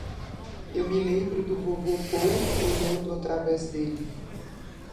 Eu me lembro do vovô Paul olhando através dele.